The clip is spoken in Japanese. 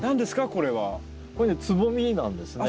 これねつぼみなんですね。